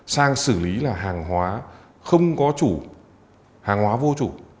sang xử lý là hàng hóa không có chủ hàng hóa vô chủ